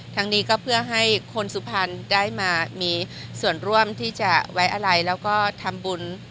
ทั้งนี้ก็เพื่อให้คนสุพรรณได้มามีส่วนร่วมที่จะไว้อะไรแล้วก็ทำบุญ